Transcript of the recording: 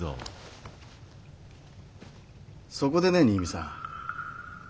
そこでね新見さん。